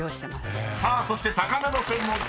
［さあそして魚の専門家